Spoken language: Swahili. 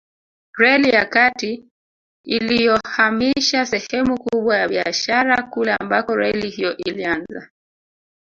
Reli ya kati iliyohamisha sehemu kubwa ya biashara kule ambako reli hiyo ilianza